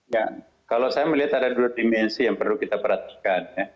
ya kalau saya melihat ada dua dimensi yang perlu kita perhatikan